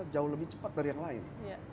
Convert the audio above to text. jauh lebih cepat dari yang lain